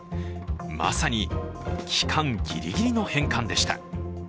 まさに期間ギリギリの返還でした。